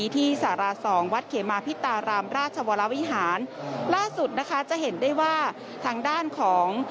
ที่สาราสองวัดเขมาพิตารามราชวรวิหารล่าสุดนะคะจะเห็นได้ว่าทางด้านของ